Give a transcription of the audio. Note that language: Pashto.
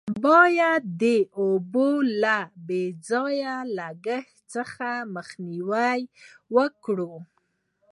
باید د اوبو له بې ځایه لگښت څخه مخنیوی وکړو.